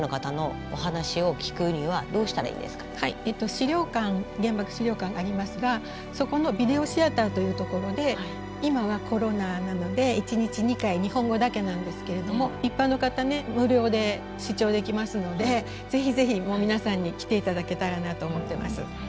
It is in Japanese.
資料館原爆資料館がありますがそこのビデオシアターという所で今はコロナなので一日２回日本語だけなんですけれども一般の方ね無料で視聴できますのでぜひぜひ皆さんに来ていただけたらなと思ってます。